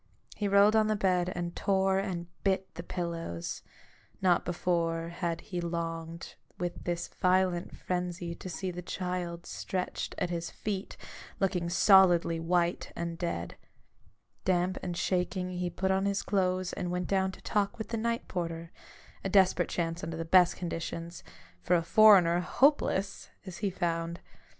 He rolled on the bed, and tore and bit the pillows : not before had he longed with this violent frenzy to see the child stretched at his feet, looking solidly white and dead. Damp and shaking, he put on his clothes and went down to talk with the night porter — a desperate chance under the best conditions ; for a foreigner, hopeless ! as he found.